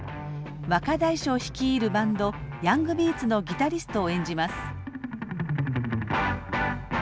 若大将率いるバンドヤングビーツのギタリストを演じます。